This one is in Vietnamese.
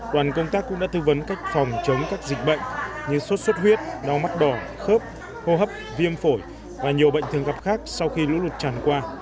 đoàn công tác cũng đã tư vấn cách phòng chống các dịch bệnh như sốt xuất huyết đau mắt đỏ khớp hô hấp viêm phổi và nhiều bệnh thường gặp khác sau khi lũ lụt tràn qua